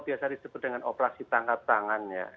biasa disebut dengan operasi tangkap tangan ya